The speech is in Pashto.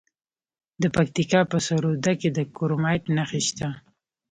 د پکتیکا په سروضه کې د کرومایټ نښې شته.